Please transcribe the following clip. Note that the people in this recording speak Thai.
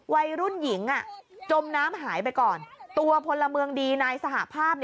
วัยรุ่นหญิงจมน้ำหายไปก่อนตัวพลเมืองดีนายสหภาพ